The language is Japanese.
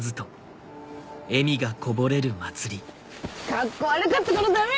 カッコ悪かったからダメ！